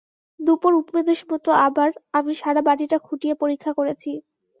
দুপোঁর উপদেশমতো আবার আমি সারাবাড়িটা খুঁটিয়ে পরীক্ষা করেছি।